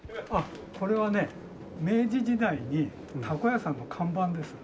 これはね明治時代に凧屋さんの看板です。